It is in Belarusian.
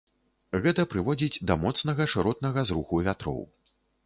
Гэта прыводзіць да моцнага шыротнага зруху вятроў.